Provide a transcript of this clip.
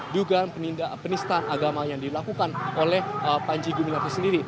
dugaan penistaan agama yang dilakukan oleh panji gumilang itu sendiri